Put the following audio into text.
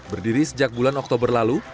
berdiri sejak bulan oktober lalu